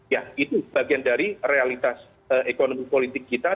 ya itu bagian dari realitas ekonomi politik kita